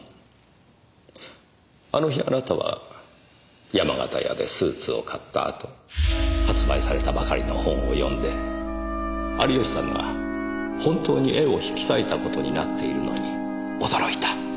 あの日あなたは山形屋でスーツを買ったあと発売されたばかりの本を読んで有吉さんが本当に絵を引き裂いたことになっているのに驚いた。